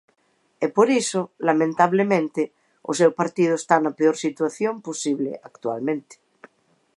E por iso, lamentablemente, o seu partido está na peor situación posible, actualmente.